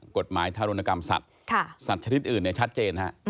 กฎหมายทารุณกรรมสัตว์สัตว์ชนิดอื่นเนี่ยชัดเจนฮะ